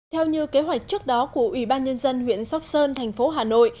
theo như kế hoạch trước đó của ủy ban nhân dân huyện sóc sơn thành phố hà nội